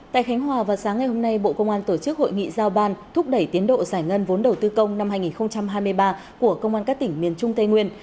tại khánh hòa vào sáng ngày hôm nay bộ công an tổ chức hội nghị giao ban thúc đẩy tiến độ giải ngân vốn đầu tư công năm hai nghìn hai mươi ba của công an các tỉnh miền trung tây nguyên